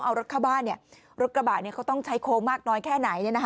เอารถเข้าบ้านรถกระบะเขาต้องใช้โค้งมากน้อยแค่ไหน